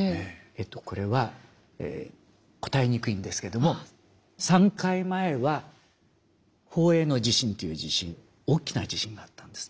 えっとこれは答えにくいんですけども３回前は宝永の地震という地震大きな地震があったんですね。